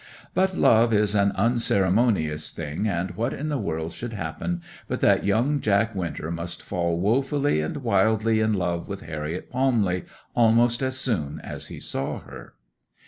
But love is an unceremonious thing, and what in the world should happen but that young Jack Winter must fall wofully and wildly in love with Harriet Palmley almost as soon as he saw her.